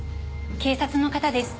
警察の方です。